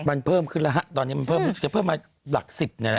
มันเพิ่มขึ้นแล้วฮะตอนนี้มันเพิ่มจะเพิ่มมาหลักสิบนะฮะ